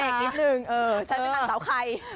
เบรกนิดนึงเออฉันเป็นนักเสาไทย